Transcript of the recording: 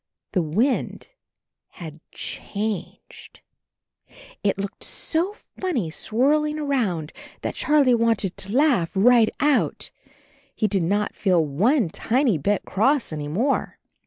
The wind had changed ! It looked so funny swirhng around that Charlie wanted to laugh right AND HIS KITTEN TOPSY 53 out; he did not feel one tiny bit cross any more.